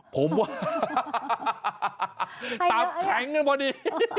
ผมว่าตับแข็งกันพอดี